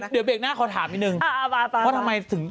เดี๋ยวเบกหน้าขอถามอีกหนึ่ง